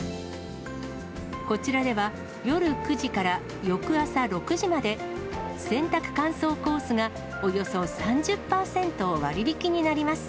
こちらでは、夜９時から翌朝６時まで、洗濯乾燥コースが、およそ３０％割引になります。